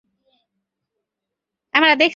শক্ত হতে হবে।